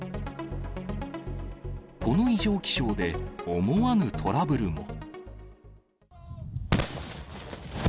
この異常気象で、思わぬトラブルも。